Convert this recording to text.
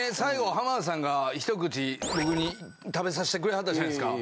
浜田さんがひと口僕に食べさしてくれはったじゃないですか。